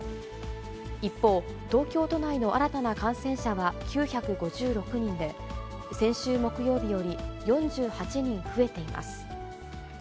一方、東京都内の新たな感染者は９５６人で、先週木曜日より４８人増えています。